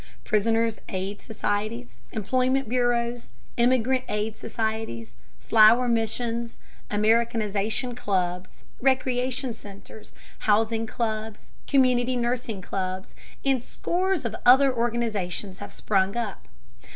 Prisoners' aid societies, employment bureaus, immigrant aid societies, flower missions, Americanization clubs, recreation centers, housing clubs, community nursing clubs, and scores of other organizations have sprung up.